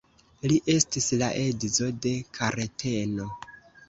Li estis la edzo de Kareteno.